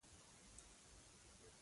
نوی کور ارزښتناک پانګه وي